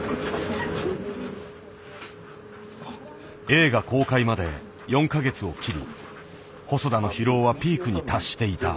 映画公開まで４か月を切り細田の疲労はピークに達していた。